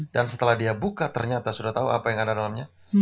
dan setelah dia buka ternyata sudah tahu apa yang ada dalamnya